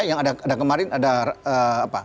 yang ada kemarin ada apa